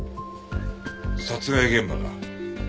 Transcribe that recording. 殺害現場だ。